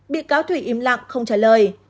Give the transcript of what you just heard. bị cáo thủy im lặng không trả lời